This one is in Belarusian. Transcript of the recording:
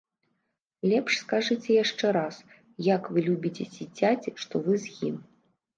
Лепш скажыце яшчэ раз, як вы любіце дзіцяці, што вы з ім.